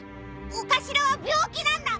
お頭は病気なんだ！